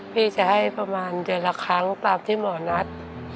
พี่จะให้ประมาณเดือนละครั้งตามที่หมอนัด